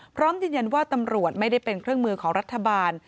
พร้อมยืนยันว่าตำรวจไม่ได้เป็นเครื่องมือของรัฐบาล